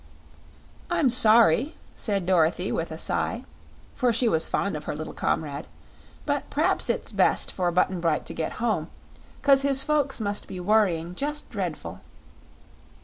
"I'm sorry," said Dorothy with a sigh, for she was fond of her little comrade; "but p'raps it's best for Button Bright to get home; 'cause his folks must be worrying just dreadful."